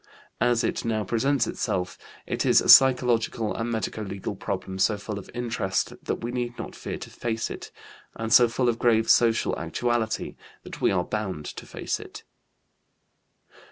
As it now presents itself, it is a psychological and medico legal problem so full of interest that we need not fear to face it, and so full of grave social actuality that we are bound to face it.